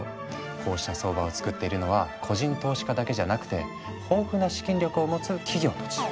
こうした相場をつくっているのは個人投資家だけじゃなくて豊富な資金力を持つ企業たち。